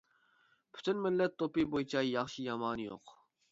پۈتۈن مىللەت توپى بويىچە ياخشى يامىنى يوق.